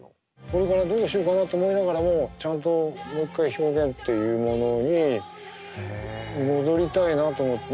これからどうしようかなと思いながらもちゃんともう一回表現というものに戻りたいなと思って。